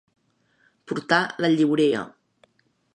Portar la lliurea.